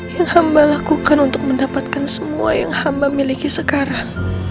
yang hamba lakukan untuk mendapatkan semua yang hamba miliki sekarang